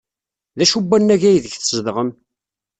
D acu n wannag aydeg tzedɣem?